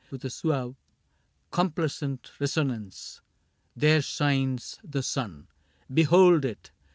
With a suave, complacent resonance :" There shines The sun. Behold it.